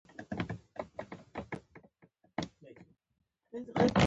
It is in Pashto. هر ګمراه که لار پيدا کړي، مسلمان شي